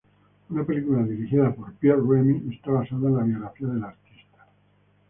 Una película dirigida por Pierre Remy está basada en la biografía de la artista.